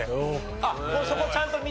あっもうそこちゃんと見てた？